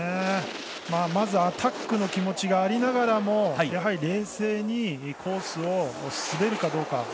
まずアタックの気持ちがありながらも冷静にコースを滑るかどうか。